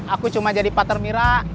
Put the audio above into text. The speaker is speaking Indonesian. aku cuma jadi patter mira